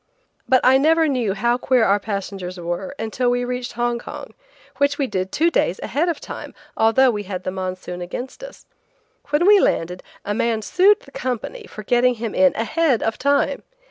But I never knew how queer our passengers were until we reached Hong Kong, which we did two days ahead of time, although we had the monsoon against us. When we landed, a man sued the company for getting him in ahead of time.